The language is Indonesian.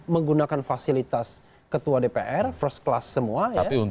menggunakan fasilitas ketua dpr first class semua ya